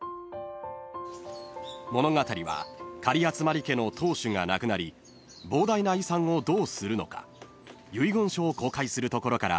［物語は狩集家の当主が亡くなり膨大な遺産をどうするのか遺言書を公開するところから始まります］